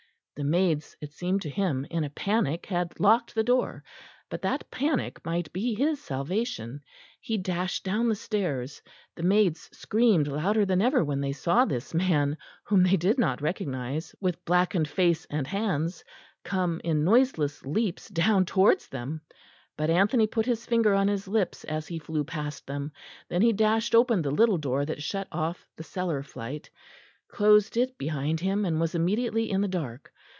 The maids, it seemed to him, in a panic had locked the door; but that panic might be his salvation. He dashed down the stairs; the maids screamed louder than ever when they saw this man, whom they did not recognise, with blackened face and hands come in noiseless leaps down towards them; but Anthony put his finger on his lips as he flew past them; then he dashed open the little door that shut off the cellar flight, closed it behind him, and was immediately in the dark.